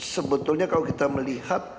sebetulnya kalau kita melihat